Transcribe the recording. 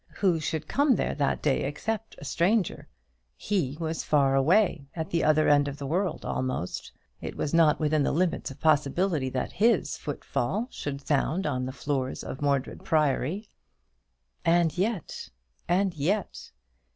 Who should come there that day except a stranger? He was far away at the other end of the world almost. It was not within the limits of possibility that his foot fall should sound on the floors of Mordred Priory. And yet! and yet!